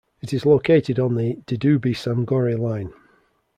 It is located on the Didube-Samgori line.